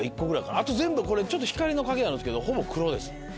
あと全部光の加減あるけどほぼ黒です。